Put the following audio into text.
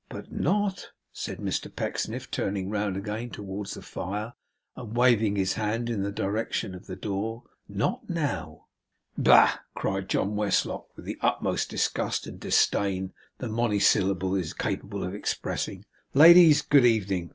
But not,' said Mr Pecksniff, turning round again towards the fire, and waving his hand in the direction of the door, 'not now.' 'Bah!' cried John Westlock, with the utmost disgust and disdain the monosyllable is capable of expressing. 'Ladies, good evening.